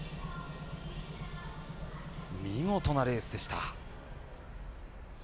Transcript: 見事なレースでした。